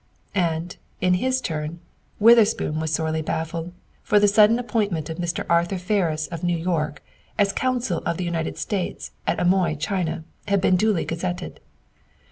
And, in his turn, Witherspoon was sorely baffled, for the sudden appointment of Mr. Arthur Ferris of New York as Consul of the United States at Amoy, China, had been duly gazetted.